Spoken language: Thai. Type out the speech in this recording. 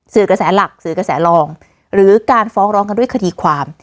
กระแสหลักสื่อกระแสรองหรือการฟ้องร้องกันด้วยคดีความ